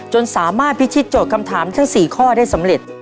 จนสามารถพิชิตโจทย์คำถามทั้ง๔ข้อได้สำเร็จ